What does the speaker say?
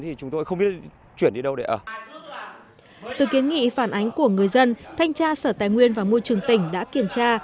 từ kiến nghị phản ánh của người dân thanh tra sở tài nguyên và môi trường tỉnh đã kiểm tra